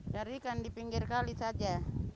cari ikan di pinggir kali saja